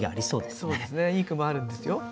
そうですねいい句もあるんですよ。